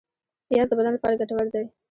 پیاز د بدن لپاره ګټور دی